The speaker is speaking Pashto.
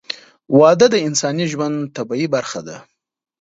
• واده د انساني ژوند طبیعي برخه ده.